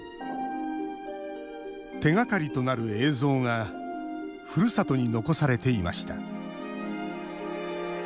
手がかりとなる映像がふるさとに残されていました